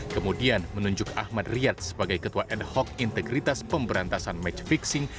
kemudian menunjuk ahmad riyad sebagai ketua ad hoc integritas pemberantasan match fixing